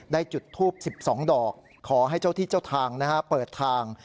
จุดทูป๑๒ดอกขอให้เจ้าที่เจ้าทางเปิดทาง